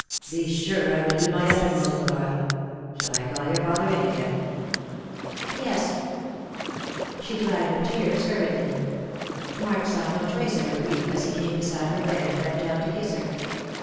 " Be sure I will do my uttermost, Flora. Shall I call your father in again ?" Lost for Love. 177 "Yes." She dried her tears hurriedly. Mark saw no trace of her grief as he came beside her bed and bent down to kiss her.